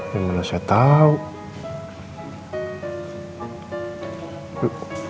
ya udah psychiatricak